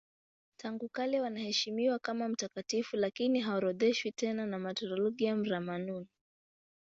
Tangu kale wanaheshimiwa kama mtakatifu lakini haorodheshwi tena na Martyrologium Romanum.